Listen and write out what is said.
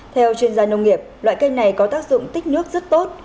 theo chuyên gia nông nghiệp loại cây này có tác dụng tích nước rất tốt